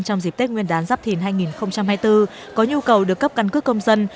trong dịp tết nguyên đán giáp thìn hai nghìn hai mươi bốn có nhu cầu được cấp căn cước công dân